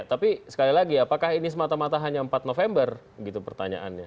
tapi sekali lagi apakah ini semata mata hanya empat november gitu pertanyaannya